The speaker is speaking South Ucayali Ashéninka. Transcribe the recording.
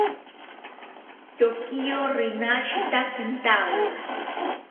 Chokiyo rinashita kintawo